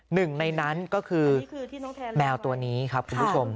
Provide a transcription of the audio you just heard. หนึ่งในนั้นก็คือแมวตัวนี้ครับคุณผู้ชม